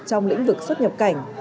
trong lĩnh vực xuất nhập cảnh